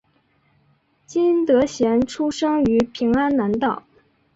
金德贤出生于平安南道。